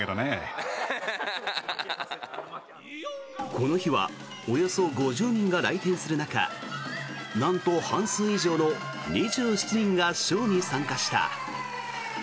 この日はおよそ５０人が来店する中なんと半数以上の２７人がショーに参加した。